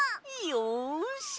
よし。